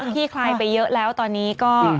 ขี้คลายไปเยอะแล้วตอนนี้ก็